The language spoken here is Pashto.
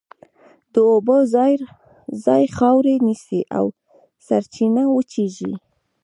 د اوبو ځای خاورې نیسي او سرچینه وچېږي.